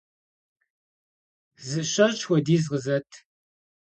- Зы щэщӏ хуэдиз къызэт.